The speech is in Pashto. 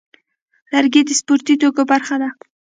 لرګی د سپورتي توکو برخه ده.